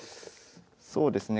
そうですね